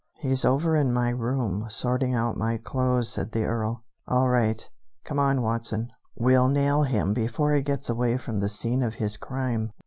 "He's over in my room, sorting out my clothes," said the Earl. "All right. Come on, Watson, we'll nail him before he gets away from the scene of his crime."